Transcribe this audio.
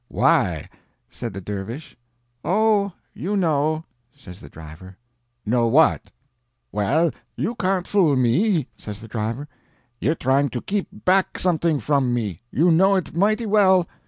"Why?" said the dervish. "Oh, you know," says the driver. "Know what?" "Well, you can't fool me," says the driver. "You're trying to keep back something from me, you know it mighty well.